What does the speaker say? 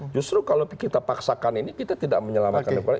justru kalau kita paksakan ini kita tidak menyelamatkan demokrasi